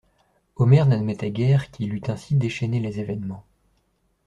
Omer n'admettait guère qu'il eût ainsi déchaîné les événements.